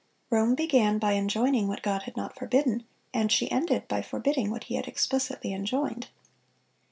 Rome began by enjoining what God had not forbidden, and she ended by forbidding what He had explicitly enjoined.